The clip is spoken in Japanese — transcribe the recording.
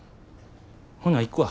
ほな行くわ。